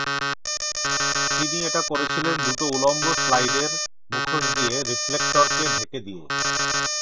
তিনি এটা করেছিলেন দুটো উলম্ব স্লাইডের মুখোশ দিয়ে রিফ্লেক্টরকে ঢেকে দিয়ে।